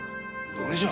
どれじゃ？